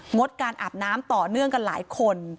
งดการอาบน้ำต่อเนื่องกันหลายคน